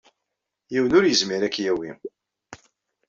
Yiwen ur yezmir ad k-yawi.